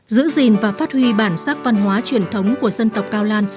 giữ gìn và phát huy bản sắc văn hóa truyền thống của dân tộc cao lan